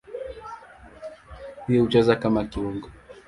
Yeye hucheza kama kiungo.